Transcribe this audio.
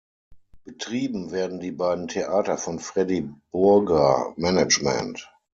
Betrieben werden die beiden Theater von Freddy Burger Management.